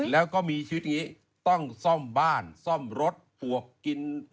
แล้วก็มีชีวิตอย่างนี้ต้องซ่อมบ้านซ่อมรถปวกกิน